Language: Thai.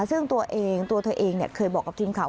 ซึ่งตัวเองตัวเธอเองเคยบอกกับทีมข่าว